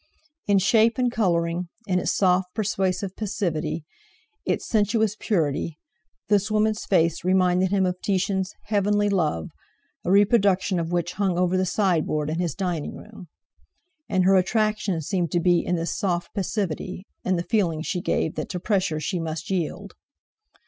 In shape and colouring, in its soft persuasive passivity, its sensuous purity, this woman's face reminded him of Titian's "Heavenly Love," a reproduction of which hung over the sideboard in his dining room. And her attraction seemed to be in this soft passivity, in the feeling she gave that to pressure she must yield.